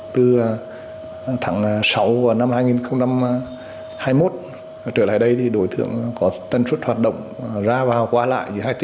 từ tháng sáu năm hai nghìn một trở lại đây đối tượng có tần suất hoạt động ra và qua lại